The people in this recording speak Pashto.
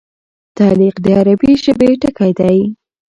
تعلیق د عربي ژبي ټکی دﺉ.